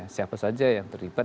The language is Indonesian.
siapa saja yang terlibat